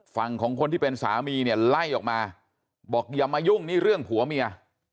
ฝั่งของคนที่เป็นสามีเนี่ยไล่ออกมาบอกอย่ามายุ่งนี่เรื่องผัวเมีย